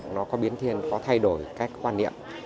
nó có biến thiên có thay đổi cách quan niệm